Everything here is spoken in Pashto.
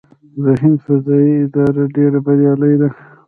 د هند فضايي اداره ډیره بریالۍ ده.